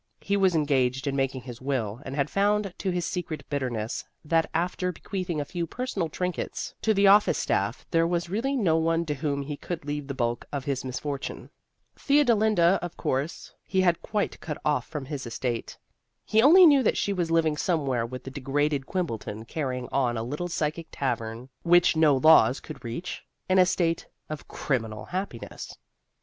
He was engaged in making his will, and had found to his secret bitterness that after bequeathing a few personal trinkets to the office staff there was really no one to whom he could leave the bulk of his misfortune. Theodolinda, of course, he had quite cut off from his estate. He only knew that she was living somewhere with the degraded Quimbleton, carrying on a little psychic tavern which no laws could reach, in a state of criminal happiness.